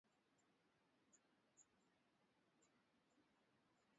ambayo ilikandamizwa kikatili Kwa muda mrefu sana